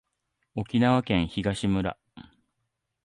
沖縄県東村